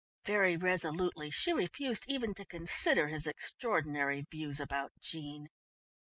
Very resolutely she refused even to consider his extraordinary views about Jean.